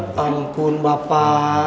ya ampun bapak